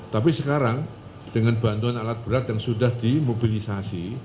tapi sekarang dengan bantuan alat berat yang sudah dimobilisasi